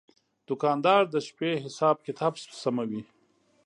دوکاندار د شپې حساب کتاب سموي.